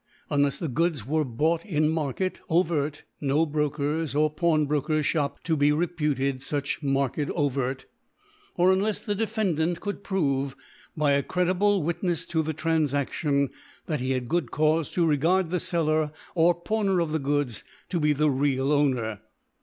unlefs the Gooda were bought in Market overr^ (no Broker's or Pawnbroker's Shop to be reputed fuch Market overtj or uftlefs the Defendant could prove, by a credible Witnefe to the Tran* fadion, that he had good Caufe to regard the Seller or Pawner of the Goods to be the real Owner.